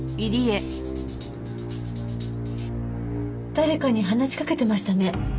誰かに話しかけてましたね。